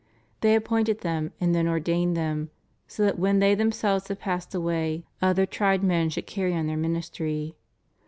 ... They appointed them and then ordained them, so that when they themselves had passed away other tried men should carry on their ministry."